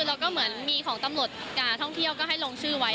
แล้วก็เหมือนมีของตำรวจการท่องเที่ยวก็ให้ลงชื่อไว้